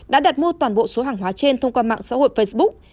đã đặt mua toàn bộ số hàng hóa trên thông qua mạng xã hội facebook